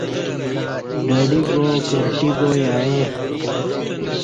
ڈہ ڈی گا کرٹی گا یعیں